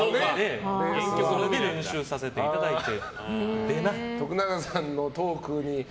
それで練習させていただいて。